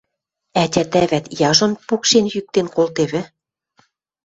— Ӓтят-ӓвӓт яжон пукшен-йӱктен колтевӹ?